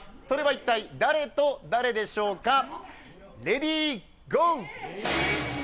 それは一体誰と誰でしょうか？